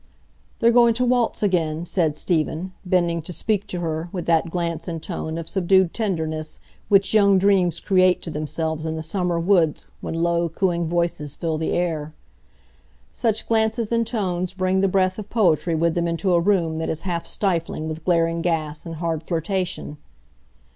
"They're going to waltz again," said Stephen, bending to speak to her, with that glance and tone of subdued tenderness which young dreams create to themselves in the summer woods when low, cooing voices fill the air. Such glances and tones bring the breath of poetry with them into a room that is half stifling with glaring gas and hard flirtation.